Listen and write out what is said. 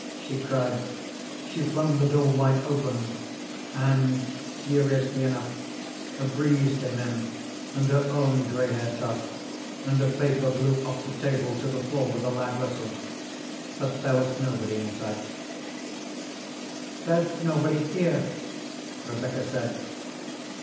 she cried. She flung the door wide open, and curiously enough a breeze came in and her own gray hair tossed, and a paper blew off the table to the floor with a loud rustle, but there was nobody in sight. "There's nobody here," Rebecca said.